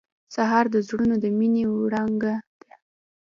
سهار د زړونو د مینې وړانګه ده.